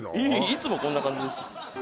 いえいえいつもこんな感じですよ